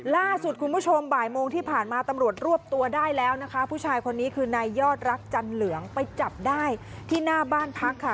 ล่าสุดคุณผู้ชมบ่ายโมงที่ผ่านมาตำรวจรวบตัวได้แล้วนะคะผู้ชายคนนี้คือนายยอดรักจันเหลืองไปจับได้ที่หน้าบ้านพักค่ะ